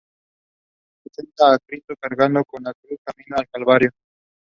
It is the headquarters of Epsom and Ewell Borough Council.